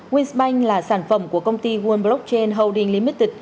windsbank là sản phẩm của công ty world blockchain holding limited